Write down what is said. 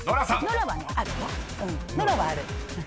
ノラはねあるよ。